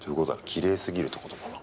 きれいすぎるってことかな？